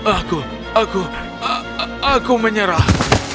aku aku aku menyerah